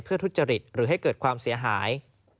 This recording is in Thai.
ทุจริตหรือให้เกิดความเสียหาย